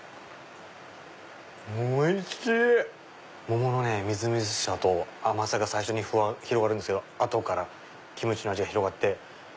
桃のみずみずしさと甘さが最初に広がるんですけど後からキムチの味が広がって。